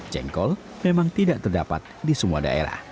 jengkol memang tidak terdapat di semua daerah